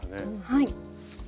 はい。